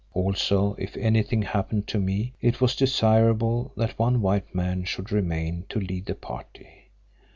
Also if anything happened to me it was desirable that one white man should remain to lead the party.